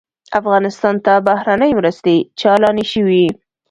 افغانستان ته بهرنۍ مرستې چالانې شوې.